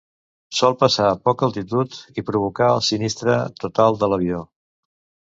Sol passar a poca altitud i provocar el sinistre total de l'avió.